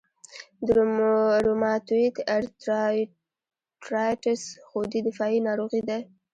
د روماتویید ارترایټرایټس خودي دفاعي ناروغي ده.